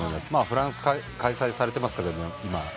フランス開催されていますけど今。